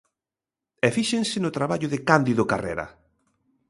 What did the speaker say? E fíxense no traballo de Cándido Carrera.